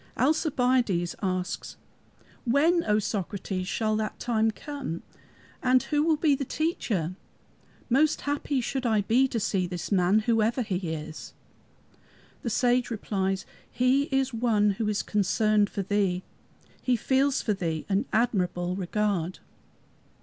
Alcibiades asks, "When, O Socrates, shall that time come, and who will be the Teacher? Most happy should I be to see this man, whoever he is." The Sage replies, "He is One who is concerned for thee. He feels for thee an admirable regard."